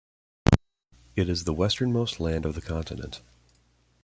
It is the westernmost land of the continent.